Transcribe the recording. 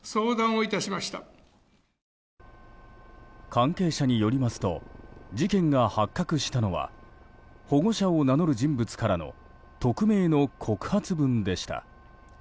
関係者によりますと事件が発覚したのは保護者を名乗る人物からの匿名の告発文でした。